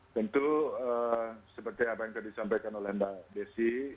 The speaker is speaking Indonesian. tentu seperti apa yang tadi disampaikan oleh mbak desi